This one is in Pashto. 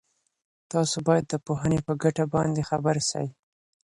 تاسو باید د پوهني په ګټه باندي خبر سئ.